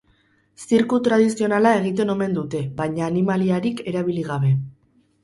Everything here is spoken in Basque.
Zirku tradizionala egiten omen dute, baina animaliarik erabili gabe.